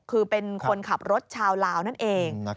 คือเป็นคนขับรถชาวลาวนั่นเอง